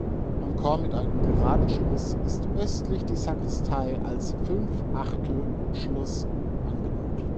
Am Chor mit einem graden Schluss ist östlich die Sakristei als Fünfachtelschluss angebaut.